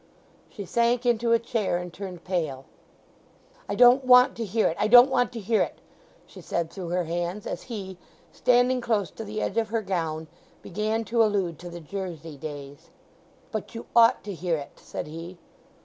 She sank into a chair, and turned pale. "I don't want to hear it—I don't want to hear it!" she said through her hands, as he, standing close to the edge of her gown, began to allude to the Jersey days. "But you ought to hear it," said he.